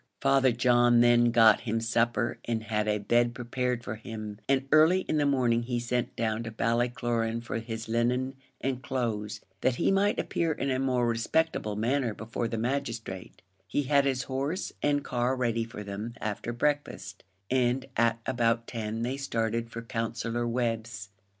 Father John then got him supper and had a bed prepared for him, and early in the morning he sent down to Ballycloran for his linen and clothes that he might appear in a more respectable manner before the magistrate; he had his horse and car ready for them after breakfast, and at about ten they started for Counsellor Webb's.